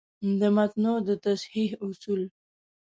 د متونو د تصحیح اصول: